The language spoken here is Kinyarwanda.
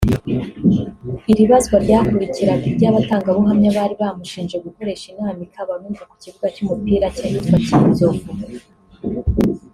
Iri bazwa ryakurikiraga iry’abatangabuhamya bari bamushinje gukoresha inama i Kabarondo ku kibuga cy’umupira cy’ahitwa Cyinzovu